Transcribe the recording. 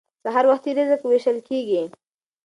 سهار وختي رزق ویشل کیږي.